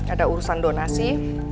ada urusan donasi